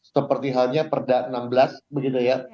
seperti halnya perda enam belas begitu ya